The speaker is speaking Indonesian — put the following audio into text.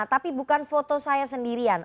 tapi bukan foto saya sendirian